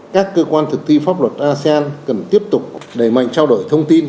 các cơ quan thực thi pháp luật asean cần tiếp tục đẩy mạnh trao đổi thông tin